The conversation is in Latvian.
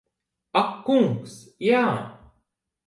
Ak kungs, jā!